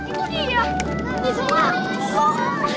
kayaknya cipat banget tadi